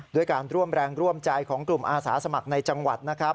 ด้วยการร่วมแรงร่วมใจของกลุ่มอาสาสมัครในจังหวัดนะครับ